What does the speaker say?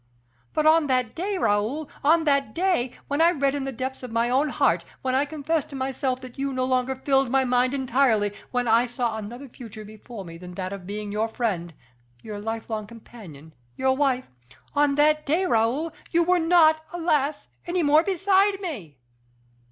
"But on that day, Raoul on that day, when I read in the depths of my own heart, when I confessed to myself that you no longer filled my mind entirely, when I saw another future before me than that of being your friend, your life long companion, your wife on that day, Raoul, you were not, alas! any more beside me."